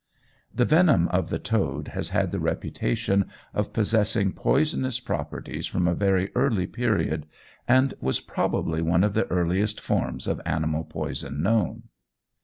The venom of the toad has had the reputation of possessing poisonous properties from a very early period, and was probably one of the earliest forms of animal poison known.